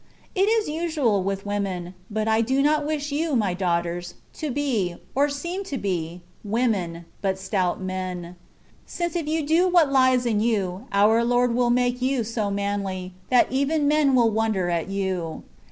It is usual with women ; but I do not wish you, my daughters, to be, or seem to be, women, but stout men,^ since if you do what lies in you, our Lord will make you so manly, that even men will wonder at you.